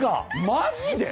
マジで？